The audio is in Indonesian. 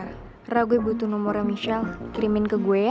rara gue butuh nomornya michelle kirimin ke gue ya